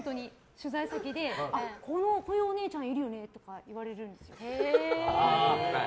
取材先でこういうお姉ちゃんいるよねとかって言われるんですよ。